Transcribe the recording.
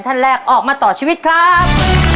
ท่านแรกออกมาต่อชีวิตครับ